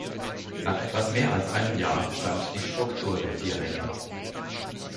Nach etwas mehr als einem Jahr stand die Struktur der vier Ränge.